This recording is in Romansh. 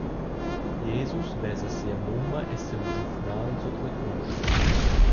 Jesus vesa sia mumma e siu giuvnal sut la crusch.